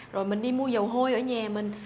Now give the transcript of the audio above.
rồi mình đi mua dầu hôi ở nhà mình